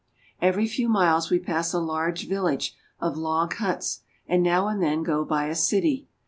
Every few miles we pass a large village of log huts, and now and then go by a city.